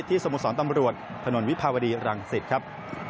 สโมสรตำรวจถนนวิภาวดีรังสิตครับ